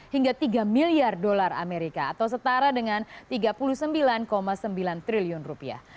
hingga tiga miliar dolar amerika atau setara dengan tiga puluh sembilan sembilan triliun rupiah